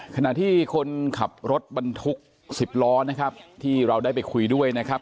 ขณะที่คนขับรถบรรทุก๑๐ล้อนะครับที่เราได้ไปคุยด้วยนะครับ